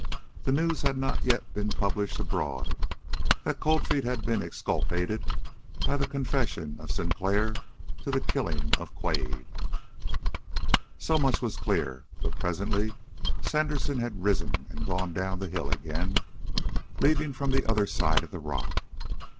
The news had not yet been published abroad that Cold Feet had been exculpated by the confession of Sinclair to the killing of Quade. So much was clear. But presently Sandersen had risen and gone down the hill again, leaving from the other side of the rock.